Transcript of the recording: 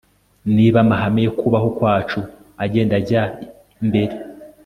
niba amahame yo kubaho kwacu agenda ajya mbere